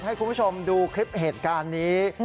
ให้คุณผู้ชมดูคลิปเหตุการณ์นี้